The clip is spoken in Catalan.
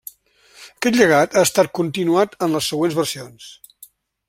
Aquest llegat ha estat continuat en les següents versions.